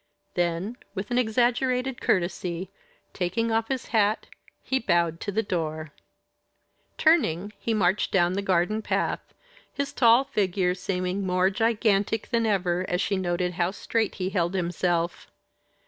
Then, with an exaggerated courtesy, taking off his hat, he bowed to the door. Turning, he marched down the garden path, his tall figure seeming more gigantic than ever as she noted how straight he held himself.